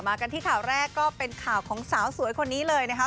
กันที่ข่าวแรกก็เป็นข่าวของสาวสวยคนนี้เลยนะคะ